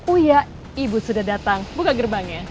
uya ibu sudah datang buka gerbangnya